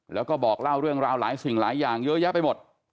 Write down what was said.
แล้วก็บอกเล่าเรื่องราวหลายสิ่งหลายอย่างเยอะแยะไปหมด